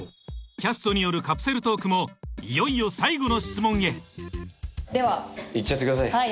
キャストによるカプセルトークもいよいよ最後の質問へでははい山さんいっちゃってください